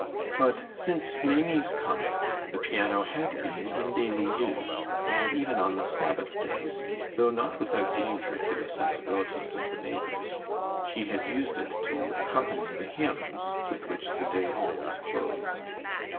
But since Maimie's coming, the piano had been in daily use, and even on the Sabbath days, though not without danger to the sensibilities of the neighbors, she had used it to accompany the hymns with which the day always closed.